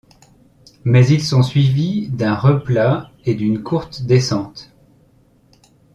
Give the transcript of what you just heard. Mais ils sont suivis d’un replat et d'une courte descente.